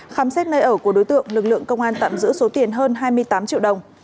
khám xét nơi ở của đối tượng lực lượng công an tạm giữ số tiền hơn hai mươi tám triệu đồng